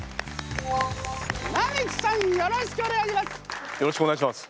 並木さんよろしくお願いします。